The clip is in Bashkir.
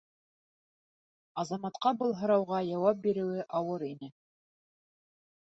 Азаматҡа был һорауга яуап биреүе ауыр ине.